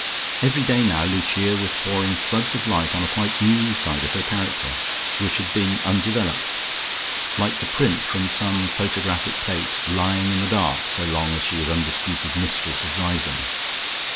Every day now Lucia was pouring floods of light on a quite new side of her character, which had been undeveloped, like the print from some photographic plate lying in the dark so long as she was undisputed mistress of Riseholme.